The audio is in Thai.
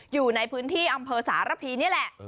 อยู่ในพื้นที่อำเภอสารพีนี่แหละ